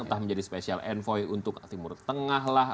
entah menjadi special envoy untuk timur tengah lah